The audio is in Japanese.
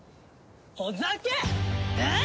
ほざけっ！